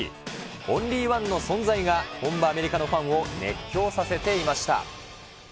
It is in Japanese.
オンリーワンの存在が、本場アメリカのファンを熱狂させていました。